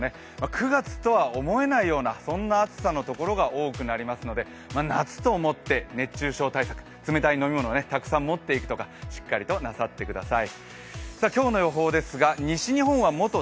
９月とは思えないような暑さのところが多くなりますので、夏と思って熱中症対策、冷たい飲み物をたくさん持っていくとか、しっかりとなさってください。